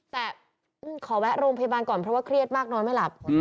แต่ขอแวะโรงพยาบาลก่อนเพราะว่าเครียดมากนอนไม่หลับ